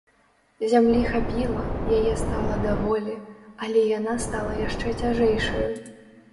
Зямлі хапіла, яе стала даволі, але яна стала яшчэ цяжэйшаю.